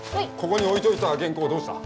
ここに置いといた原稿どうした？